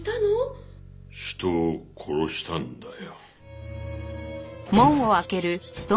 人を殺したんだよ。